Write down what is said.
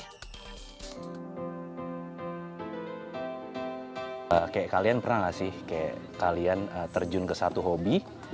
kayak kalian pernah gak sih kayak kalian terjun ke satu hobi